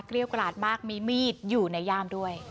เรียกกราดมากมีมีดอยู่ในย่ามด้วย